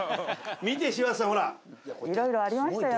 見て柴田さんほら。いろいろありましたよ